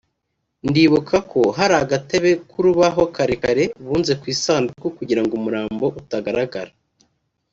ndibuka ko hari agatebe k’urubaho karekare bunze ku isanduku kugirango umurambo utagaragara